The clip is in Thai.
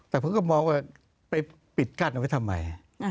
แต่ผมก็มองว่าไปปิดกั้นเอาไว้ทำไม